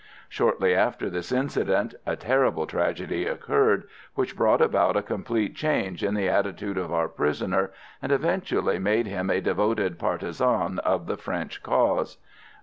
Shortly after this incident a terrible tragedy occurred, which brought about a complete change in the attitude of our prisoner, and eventually made him a devoted partisan of the French cause.